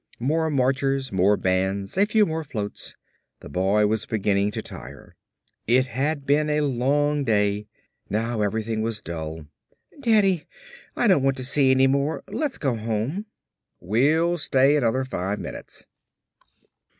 More marchers, more bands, a few more floats. The boy was beginning to tire. It had been a long day. Now everything was dull. "Daddy, I don't want to see any more. Let's go home." "We'll stay another five minutes."